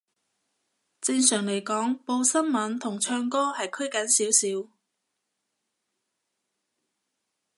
正常嚟講，報新聞同唱歌係拘謹少少